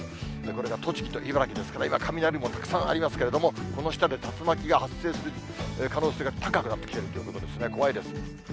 これが栃木と茨城ですから、今、雷雲たくさんありますけれども、この下で、竜巻が発生する可能性が高くなってきているということですね。